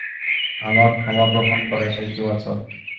আমার ক্ষমা গ্রহন করো, এটা ইতিবাচক।